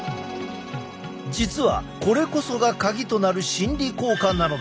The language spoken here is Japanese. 実はこれこそがカギとなる心理効果なのだ。